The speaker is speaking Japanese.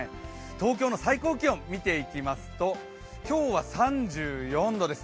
東京の最高気温見ていきますと、今日は３４度です。